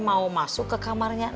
mau masuk ke kamarnya